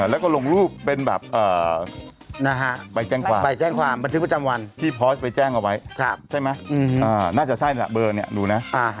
แล้วก็ลงรูปเป็นแบบใบแจ้งความที่พอร์ชไปแจ้งเอาไว้ใช่ไหมน่าจะใช่นะเบอร์นี้ดูนะ